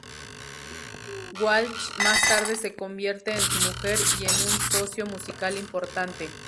Walsh más tarde se convierte en su mujer y en un socio musical importante.